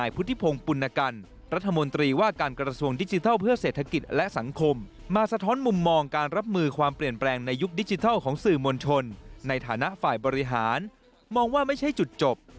ภารกิจตามเปลี่ยนแปลงในยุคดิจิทัลของสื่อมลชนในฐานะฝ่ายบริหารมองว่าไม่ใช่จุดจบ